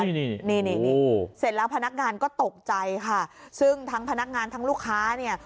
นี่นี่นี่เสร็จแล้วพนักงานก็ตกใจค่ะซึ่งทั้งพนักงานทั้งลูกค้าเนี่ย